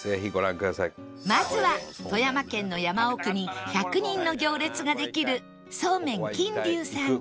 まずは富山県の山奥に１００人の行列ができるそうめん金龍さん